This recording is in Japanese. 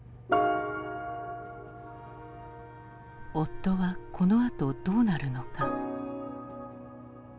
「夫はこのあとどうなるのか」。